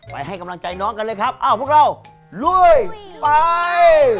ให้กำลังใจน้องกันเลยครับอ้าวพวกเราลุยไป